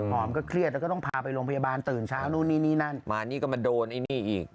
อมก็เครียดแล้วก็ต้องพาไปโรงพยาบาลตื่นเช้านู่นนี่นี่นั่นมานี่ก็มาโดนไอ้นี่อีก